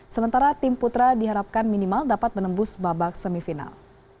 sementara tim putra diharapkan minimal dapat menembus babak semifinal